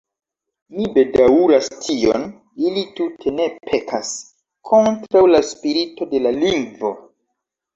Mi bedaŭras tion: ili tute ne pekas kontraŭ la spirito de la lingvo.